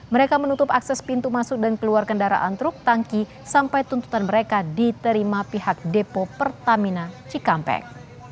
mereka menutup akses pintu masuk dan keluar kendaraan truk tangki sampai tuntutan mereka diterima pihak depo pertamina cikampek